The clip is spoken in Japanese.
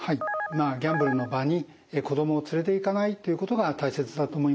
まあギャンブルの場に子どもを連れていかないということが大切だと思います。